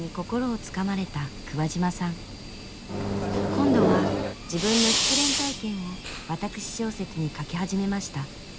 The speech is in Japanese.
今度は自分の失恋体験を私小説に書き始めました。